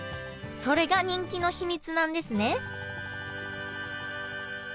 それが人気の秘密なんですね